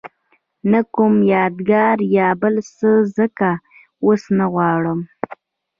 نه کوم یادګار یا بل څه ځکه اوس نه غواړم.